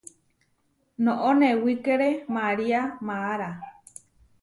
Noʼó newíkere María maará.